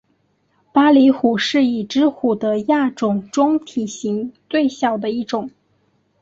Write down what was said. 巴厘虎是已知虎的亚种中体型最小的一种。